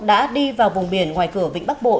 đã đi vào vùng biển ngoài cửa vĩnh bắc bộ